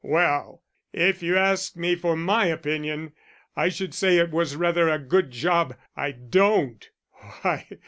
"Well, if you ask me for my opinion I should say it was rather a good job I don't.